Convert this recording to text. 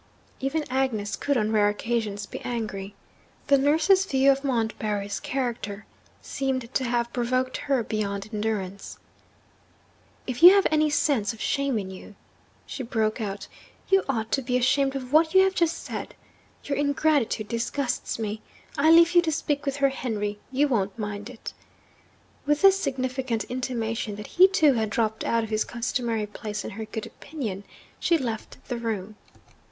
Even Agnes could, on rare occasions, be angry. The nurse's view of Montbarry's character seemed to have provoked her beyond endurance. 'If you have any sense of shame in you,' she broke out, 'you ought to be ashamed of what you have just said! Your ingratitude disgusts me. I leave you to speak with her, Henry you won't mind it!' With this significant intimation that he too had dropped out of his customary place in her good opinion, she left the room.